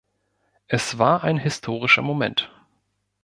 Es war ein historischer Moment.